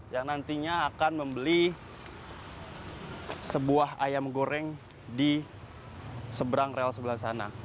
yang nantinya akan membeli sebuah ayam goreng di seberang rel sebelah sana